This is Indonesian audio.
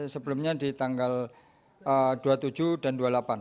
sebelumnya di tanggal dua puluh tujuh dan dua puluh delapan